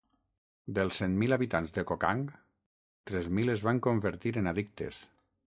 Dels cent mil habitants de Kokang, tres mil es van convertir en addictes.